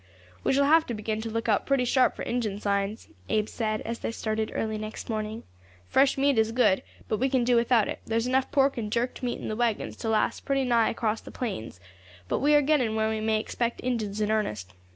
"We shall have to begin to look out pretty sharp for Injin signs," Abe said, as they started early next morning. "Fresh meat is good, but we can do without it; there's enough pork and jerked meat in the waggons to last pretty nigh across the plains; but we are getting where we may expect Injins in earnest.